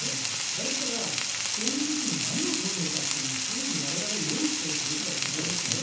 だったら、そういう時に何を問うのかというのを常に我々は用意しておくべきだと思いますね。